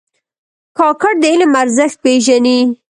کاکړ د علم ارزښت پېژني.